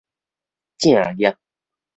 正業